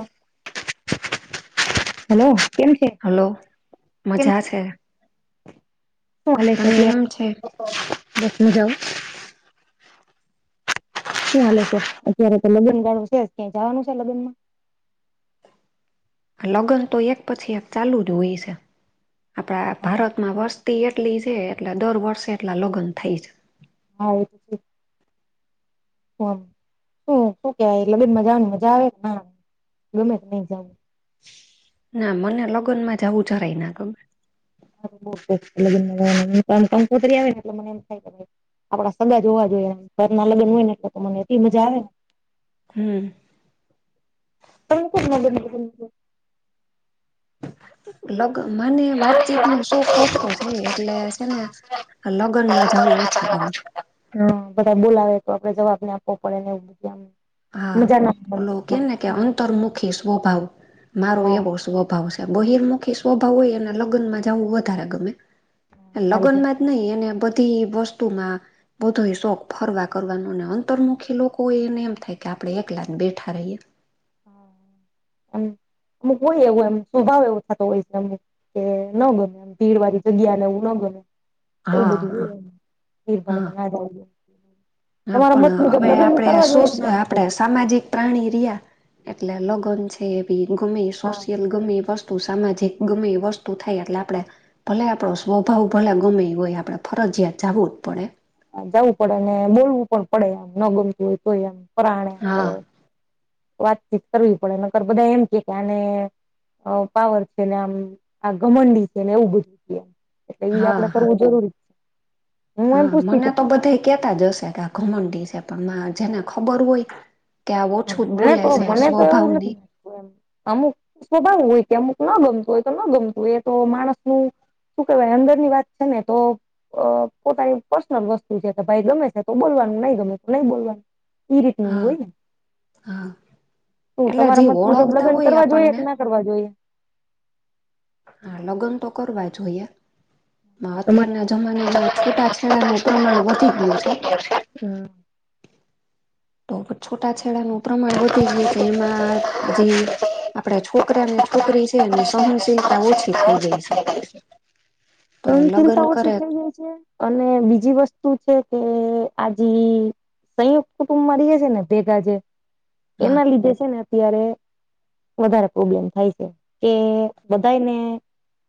ઓ [inaudible] hello. Hello મજા છે. Phone એ તને એમ છે કર્યા બેસને જાઓ. શું હાલે છે અત્યારે તો લગ્ન વાળું છે ક્યાં જવાનું છે લગ્નમાં, લગ્ન તો એક પછી એક ચાલુ જ હોય છે. આપણા ભારતમાં વસ્તી એ, એટલી છે એટલે દર વર્ષે એટલા લગ્ન થઈ જાય. હા એ તો, ઓમ શું કેવાય લબેદમાં જાવાની મજા આવે ના ગમે જ નહી જાઉં, ના મને લગ્ન માં જવું જરાય ના ગમે, [unintelligible] બઉ લગ્નમાં જવાનું આમ કંકોત્રી આવે ને એટલે મને એમ થાય કે, આપડા સગા જોવા જોઈએ ઘર ના લગ્ન હોય ને એટલે તો મને એટલી મજા આવે ને, હમ્મ. તમને કેમ ના ગમે લગ્નમાં જઉ, લગ્ન મને વાતચીત નો શોખ ઓછો છે એટલે છે ને, લગ્નમાં જાઉ ઓછું ગમે. હા બધા બોલાવે તો આપડે જવાબ ને આપવો પડે ને એવું એમ. હા ઓલો કેને કે અંતરમુખી સ્વભાવ. મારો હા એવો સ્વભાવ છે. બહિર્મુખી સ્વભાવ હોય એ અને લગ્નમાં જાવું વધારે ગમે મારી લગ્નમાં, નહી એને બધી વસ્તુમાં, બધો શોખ ફરવા કરવાનો ને અંતરમુખી લોકો હોય એને એમ થાય. આપણે એકલા બેઠા રહીએ. હ એમ અમુક હોય એવું એમ સ્વભાવ એવો થતો હોય છે ને અમુક, કે ન ગમે એમ ભીડ વાળી જગ્યા ને એવું ના ગમે. એવું હા હા બધું હા. ભીડભાડમા ના જાય. હા પણ હવે આપણે સો ના કરવા આપણેે જોઈએ સામાજિક, પ્રાણી રહિયા એટલે લગ્ન છે એ બી ગમે હા સોશિયલ ગમે, ત સામાજિક ગમે એ વસ્તુ થાય એટલે આપડણે, ભલે આપણો સ્વભાવ ભલે ગમે હોય આપણે ફરજિયાત જવું જ પડે. જવું પડે અને બોલવું પણ પડે એમ ન ગમતું હોય તો એમ પરાણે આપડે. હા વાતચીત કરવી પડે નકર બધા એમ કે કે આને, પાવર છે ને આમ આ ઘમંડી છેને એવું બધું છે એટલે એ હા આપડે હા. કરવું જરૂરી છે. હા મને તો બધા કેતા જ હશે કે આ ઘમંડી છે પણ જેને ખબર હોય, કે ઓછું મને બોલે તો છે મને તો સ્વભાવ એવું નથી નહી, લાગતું અમુક સ્વભાવ હોય કે અમુક ના ગમતું હોય તો ન ગમતું હોય એ તો માણસ નું, શું કહેવાય અંદર ની વાત છે ને તો, અ પોતાની પર્સનલ વસ્તુ છે કે ભાઈ ગમે છે તો બોલવાનું નહી ગમે તો નહી બોલવાનું. એ રીતેનું હા હોઈ ને. હા. શું એટલે જે તમારા મત મુજબ ઓળખતા લગ્ન હોય કરવા જોઈએ કે આપણને ના કરવા જોઈએ. હા લગ્ન તો કરવા જોઈએ અત્યારના, જમાનામાં છૂટાંછેડાનું પ્રમાણ વધી ગયું છે. હમ [inaudible] તો છૂટાછેડાનું પ્રમાણ વધી ગયું છે એમાં જે, આપડા છોકરાને છોકરી છે એની સહનશીલતા ઓછી થઈ ગઈ છે. તો અ લગ્ન ચિંતા ઓછી કરે થઈ જાય છે. અને બીજી વસ્તુ છે કે આજ સંયુક્ત કુટુંબમાં રએ છે ને ભેગા જે હા એના લીધે છે ને અત્યારે, વધારે પ્રોબ્લેમ થાય છે કે બધાને,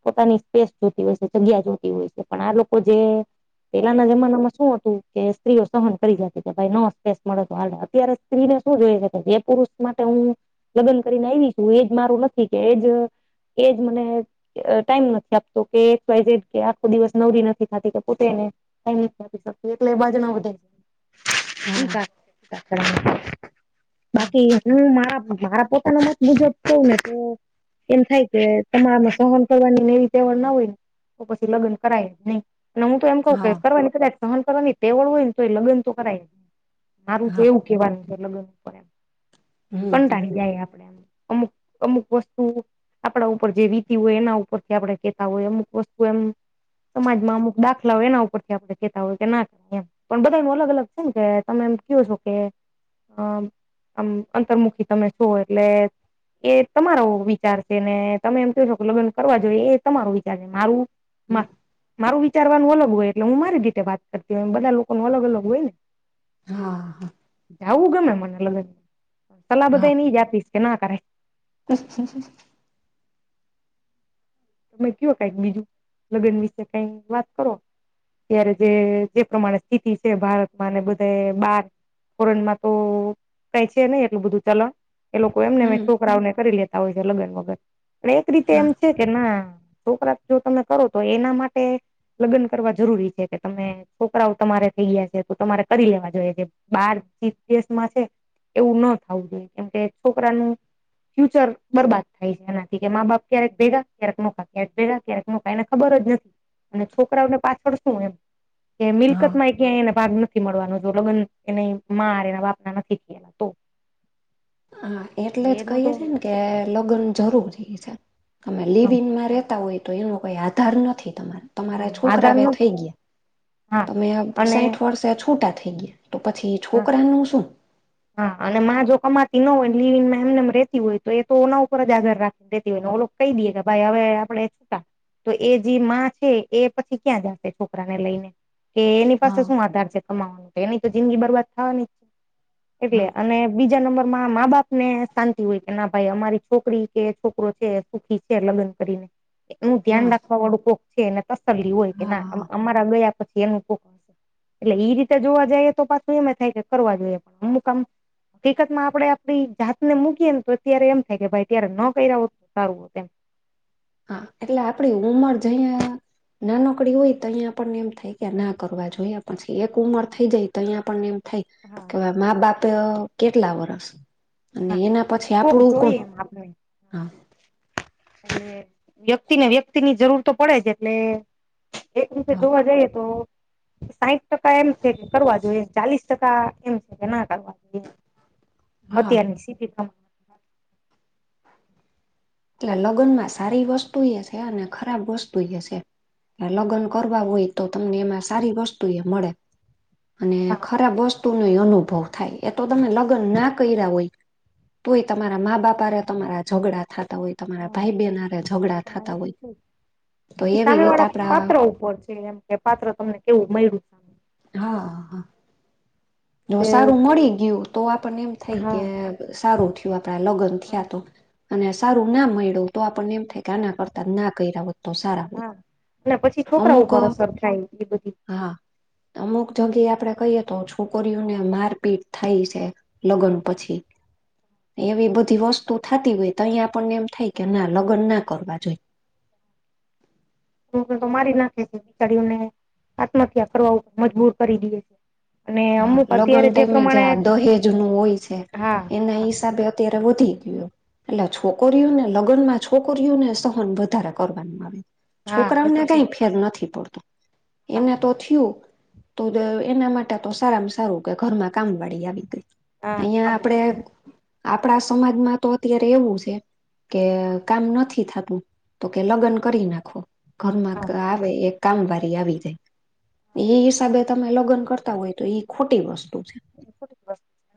પોતાની સ્પેસ જોતી હોય છે જગ્યા જોતી હોય છે પણ આ લોકો જે, પેલાના જમાનામાં શું હતું કે સ્ત્રીઓ સહન કરી જતી કે ભાઈ નો સ્પેસ મળે તો હાલ અત્યારે, સ્ત્રીને શું જોઈ છે જે પુરુષ માટે હું, લગ્ન કરીને આયવી છું એજ મારું નક્કી કે એજ એજ મને ટાઈમ નથી આપતો કે એક્ષ વાય ઝેડ કે આખો દિવસ નવરી નથી થાતી કે પોતે એને ટાઈમ નથી આપી શકતી એટલે એ બાજુ ન વઢે. ઈ હા કા [inaudible] બાકી હું મારા મારા પોતાના મત મુજબ કઉને તો એમ થાય કે તમારામાં આમ સહન કરવાની એવી તેવડ ન હોય ને તો પછી લગન કરાય જ નઈ અને હું તો એમ કઉ કે હા કરવાની કદાચ સહન કરવાની ટેવો હોય ને તો લગ્ન તો કરાય મારું તો હા એવું. કેવાનું છે [inaudible] હમ કંટાળી જાય આપણેે. અમુક અમુક વસ્તુ આપણા ઉપર જે વીતી હોય એના ઉપરથી આપણે કેતા હોય અમુક વ એમ સમાજમાં અમુક દાખલાઓ એના ઉપરથી આપણે કહેતા હોય કે ના કરીએ એમ. પણ બધાયનુ આમ અલગ-અલગ છે ને કે તમે એમ કયો છો કે હ આમ અંતરમુખી તમે છો એટલે એ તમારો વિચાર છે ને તમે એમ કયો છો કે લગન કરવા જોઈએ એ તમારો વિચાર છે મારું મા મારું વિચારવાનું અલગ હોય એટલે હું મારી રીતે વાત કરતી હોય બધા લોકોનું અલગ-અલગ હોય ને. હા હા. જાવું ગમે મને લગન સલાહ બધાયને ઈ જ આપીશ કે ના કરાય. અચ્છ [inaudible] તમે કયો કંઈક બીજું લગન વિશે કઈ વાત કરો. ત્યારે જે જે પ્રમાણે સ્થિતિ છે ભારતમાં અને બધે બાર ફોરેનમાં તો કાય છે ને એટલું બધું ચલણ. એ લોકો એમને હમ છોકરાઓને કરી લેતાં હોય છે લગન વગન પણ એક રીતે એમ હા છે કે ના છોકરા જો તમે કરો તો એના માટે લગન કરવા જરૂરી છે કે તમે છોકરાઓ તમારે થઈ ગયા છે તો તમારે કરી લેવા જોઈએ જે બાર ચી ગેસ્ટમા છે. એવું ન થાવું જોઈએ કેમકે છોકરાનું ફ્યુચર બરબાદ થાય છે એનાથી કે મા બાપ ક્યારેક ભેગા ક્યારેક મો ક્યારેક ભેગા ક્યારેક મોટા એને ખબર જ નથી અને છોકરાઓનું પાછળ શું એમ. એ હા મિલકતમાં એ ક્યાય એને ભાગ નથી મળવાનો જો લગન એને મા હારે એના બાપના નથી થયાં તો. [inaudible] હા એટલે જ એનું તો કહીએ છે ને કે લગન જરૂરી છે. તમે હા લિવિનમાં રેતા હોય તો એનો કોઈ આધાર નથી તમાર. હા તમારા છોકરા આધાર અવે નથી થઈ ગયા હા તમે અવે અને સાઈઠ વર્ષે છૂટા થઈ ગયા. તો પછી હા છોકરાનું શું? હા અને મા જો કમાતી ન હોય લીવિંગમાં એમને એમ રેતી હોય તો એ તો ઓના ઉપર જ આધાર રાખ દેતી હોય ને ઓલો કહી દીએ કે ભાઈ અવે આપડે છુટા. તો એ જે માં છે એ પછી ક્યાં જાશે છોકરાને લઈને? કે એની પાસે હા. શું આધાર છે કમાવાનો, એની તો જિંદગી બરબાદ થાવાની જ. એટલે હા અને બીજા નંબર મા બાપને શાંતિ હોય કે ના ભાઈ અમારી છોકરી કે છોકરો છે એ સુખી છે લગ્ન કરીને એનું ધ્યાન હા રાખવાવાળું કોક છે એને તસ્સલી હોય કે ના હા અમારા ગયા પછી એનું કોક એટલે ઈ રીતે જોવા જાઈએ તો પાછું એમે થાય કે કરવા જોઈએ અમુક આમ હકીકતમાં આપડે આપણી જાતને મૂકીએન તો અત્યારે એમ થાય કે ભાઈ ત્યારે ન કર્યા હોત. સારું હોત એમ. હા એટલે આપડી ઉમર જઈએ. નાનકડી હોય તો અહીંયા આપણને એમ થાય કે ના કરવા જોઈએ પછી એક ઉંમર થઈ જાય તો અહીંયા આપણને એમ થાય હા કે મા બાપ અ કેટલા વર્ષ અને હા એના પછી કોક આપણું કોણ જોઈએ એમ આપણે હ. એટલે વ્યક્તિને વ્યક્તિની જરૂર તો પડે જ એટલે એક રીતે હા જોવા જાઈએ તો સાઈઠ ટકા એમ છે કે કરવા જોઈએ ચાલીસ ટકા એમ છે કે ના કરવા જોઈએ. હા. [unintelligible] એટલે લગ્નમાં સારી વસ્તુ યે છે અને ખરાબ વસ્તુ યે છે. લગ્ન કરવા હોય તો તમને એમાં સારી વસ્તુ એય મળે. અને હા ખરાબ વસ્તુ નોય અનુભવ થાય. તો તમે લગ્ન ના કર્યા હોય. તોય તમારા મા બાપા હારે તમારા ઝઘડા થાતા હોય તમારા ભાઈ હા બેન હાતે ઝઘડા એ થતા તો હોય. છે તો એવી સામે રીતે વાળા આપડા પાત્ર ઉપર છે એમ કે પાત્ર તમને કેવું મળ્યું. સામે. હ હા. જો સારું મળી ગયું તો આપણને એમ થાય હા કે સારું થયું આપણા લગ્ન હા થયા તો. અને સારું ના મળ્યું તો આપણને એમ થાય કે આના કરતા ના કર્યા હોત. તો સારા હોય હા અને પછી છોકરા અમુક ઉપર અસર થાય એ બધી હા અમુક [unintelligible] આપડે કઈએ તો છું. છોકરીઓને મારપીટ થાય છે લગ્ન પછી. એવી બધી વસ્તુ થતી હોય તો અહીંયા આપણને એમ થાય કે ના લગ્ન ના કરવા જોઈએ. તો મારી નાખે છે બિચારીઓને આત્મહત્યા કરવા ઉપર મજબૂર કરી દેએ છે. અને હા અમુક લગન અત્યારે ટાઈમે જે પ્રમાણે દહેજ નું હોય છે હા એના હા હિસાબે તેરવો થઈ ગયો. એટલે છોકરીઓને લગ્નમાં છોકરીઓને સહન વધારે કરવાનું આવે. હા એ તો છોકરાઓને છે કાઈ ફેર નથી પડતો હા એને તો થયું તોત એના માટે તો સારામાં સારું કે ઘરમાં કામ વાળી આવી ગઈ. અહિયાં હા આપડે આપણા સમાજમાં તો અત્યારે એવું છે. કે કામ નથી થતું તો કે લગ્ન કરી નાખો ઘરમાં હા આવે એ કામ વારી આવી જાય એ હિસાબે તમે લગન કરતા હોય તો એ ખોટી વસ્તુ છે.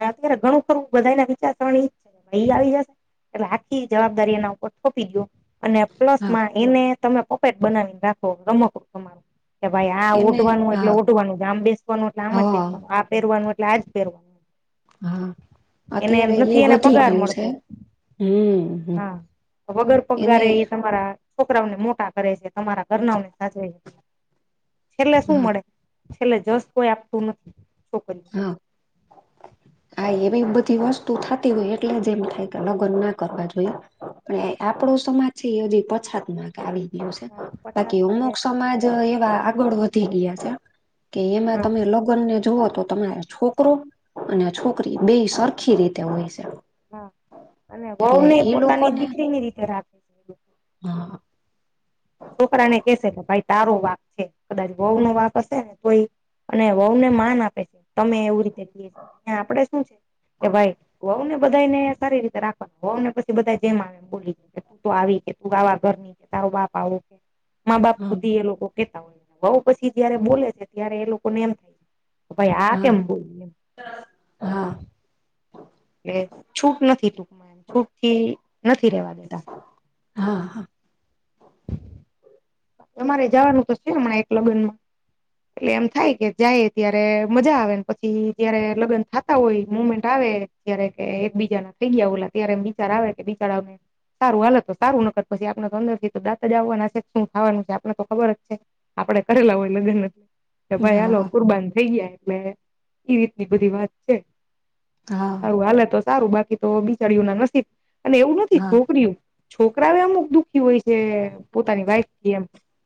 અત્યારે ઘણું ખરું બધા ના વિચારસરણી ભાઈ આવી જશે એટલે આખી જવાબદારી એને ોપી દયો અને પ્લસ હા માં એને તમે પોકેટ બનાવીને રાખો રમક તમારું કે ભાઈ આ એને ઓઢવાનું હા એટલે ઓઢવાનું જ આમ બેસવાનું એટલે આમ જ હા બેસવાનું આ પહેરવાનું એટલે આ જ પહેરવાનું હા એને અત્યારે એ નથી એને વધી પગાર ગયું છે મળતો હમ હમ હા તો વગર એને પગારે એ તમારા છોકરાઓને મોટા કરે છે તમારા ઘરનાઓને સાજવે છે છેલ્લે શું હા મળે છેલ્લે જસ કોઈ આપતું નથી છોકરીને હા હા એવી બધી વસ્તુ થતી હોય એટલે જ એમ થાય કે લગ્ન ના કરવા જોઈએ પણ આપડો સમાજ છે એજી પછાત માં આવી ગયું છે હા પછાત બાકી છે અમુક એટલે સમાજ એવા આગળ વધી ગયા છે. કે એમાં હા તમે લગ્ન ને જુઓ તો તમારા છોકરો અને છોકરી બે સરખી રીતે હોય છે. હા અને બહ એટલે ને એ પોતાની લોકોને દીકરી ની રીતે રાખ હા છોકરાને કેશે ભાઈ તારો વાક છે કદાચ વઉ નો વાક હશે ને કોઈ અને વહઉને માન આપે છે તમે એવું રીતે ક છે અ આપડે શું છે કે ભાઈ હોહવ ને બધા ને સારી રીતે રાખવાનું હોવ ને પછી બધા જેમ આવે બોલી તું તો આવી કે તું આાવા ઘરની છે તારું બાપ આવું કે મા બાપ હા સુધી એ લોકો કેતા હોયને બઉ પછી જયારે બોલે છે ત્યારે એ લોકોને એમ થાય છે ભાઈ આ હા કેમ બોલ એમ હા એ છૂટ નથી ટૂંકમાં એમ છૂટ થી નથી રેવા દેતા હા હા તમારે જવાનું તો છે હમણાં એક લગ્નમાં એટલે એમ થાય કે જાઈએ ત્યારે મજા આવે, ને પછી જયારે લગ્ન થાતા હોય, મુમેન્ટ આવે જયારે કે એક બીજા ના થઇ ગયા ઓલા ત્યારે એમ આવે કે બિચારવને સારું હાલત તો સારું નકર પછી આપણા અંદર થી તો દાંત જ આવવાના સે. શું થાવાનું છે આપણે તો ખબર જ છે. આપડે કરેલા હોય લગ્ન [unintelligible] કે ભાઈ હાલો હા કુરબાન થઇ ગયા, એટલે ઈ રીતની બધી વાત છે. હા સારું હાલે તો સારું, બાકી તો બિચારીઓના નસીબ, પણ એવું નથી હા છોકરીયું છોકરાવ એ અમુક દુઃખી હોય છે પોતાની વાઈફ થી એમ.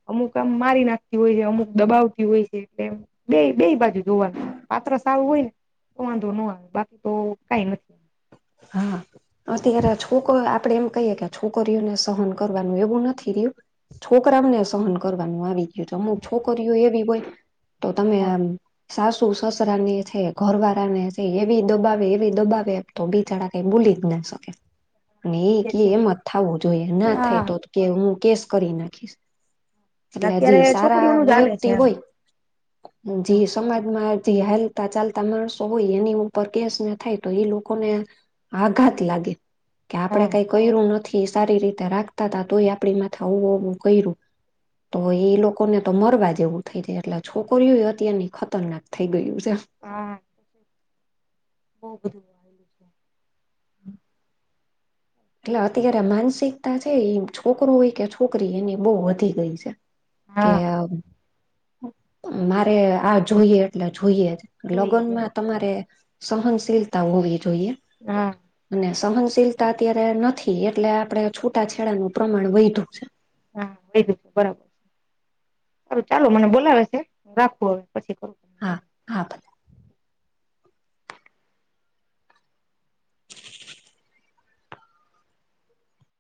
અમુક આમ મારી નાખતી હોય હે, અમુક દબાવતી હોય છે એટલે એમ બેય-બેય બાજુ જોવાનું છે, પાત્ર સારું હોય ને તો વાંધો ન આવે, બાકી તો કાંઈ નથ હા. અત્યારે છોક આપડે એમ કહીયે કે છોકરીઓને સહન કરવાનું એવું નથી રહ્યું છોકરાઓને સહન કરવાનું આવી ગયું છે, અમુક છોકરીઓ એવી હોય તો તમે હા આમ સાસુ-સસરા ને છે, ઘર વાળા ને છે, એવી દબાવે એવી દબાવે તો બિચારા કઈ બોલી જ ના શકે, અને ઈ એ કયે છે એમ જ થાવું જોઈ, ના થાય હા તો-તો કે હું કેસ કરી નાખીશ. એટલે હજી અત્યારે સારા છોકરીઓનું જ હાલે વ્યક્તિ છે એમ હોય જે સમાજમાં જે હાલતા ચાલતા માણસો હોય એની ઉપર કેસ ના થાય તો એ લોક કો ને આઘાત લાગે, કે આપણે હા કાંઈ કયરું નથી, સારી રીતે રાખતા તા તોય આપડી માથા આવ-આવું કયરું તો એ લોક કોને તો મરવા જેવું થઇ જાય, એટલે છોકરીયું અત્યારની ખતરનાક થઇ ગયું છે. હા. બહુ બધું [inaudible] [inaudible] એટલે અત્યારે માનસિકતા છે ઈ છોકરો હોય કે છોકરી એની બહુ વધી ગઈ છે. કે હા મારે આ જોઈએ એટલે જોઈએ જ. જોઈએ લગ્ન એમ. માં તમારે સહનશીલતા હોવી જોઈએ. હા. અને સહનશીલતા અત્યારે નથી એટલે આપડે છૂટાછેડાનું પ્રમાણ વયધું છે. હા [unintelligible] બરાબર. કરું ચાલો મને બોલાવે સે, રાખું હવે પછી કરું. તમને હા, ફોન હા ભલે.